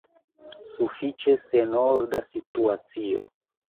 Sufiĉe senorda situacio.